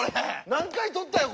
何回撮ったよ